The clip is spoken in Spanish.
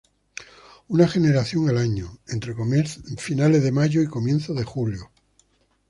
Una generación al año, entre finales de mayo y comienzos de julio.